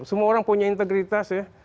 semua orang punya integritas ya